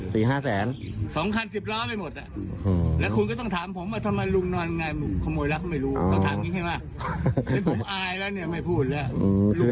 ผมอายละไม่พูดแล้ว